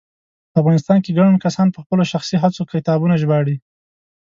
په افغانستان کې ګڼ کسان په خپلو شخصي هڅو کتابونه ژباړي